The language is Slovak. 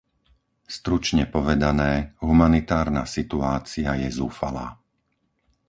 Stručne povedané, humanitárna situácia je zúfalá.